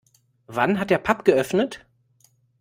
Wann hat der Pub geöffnet?